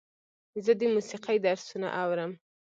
زه د موسیقۍ درسونه اورم.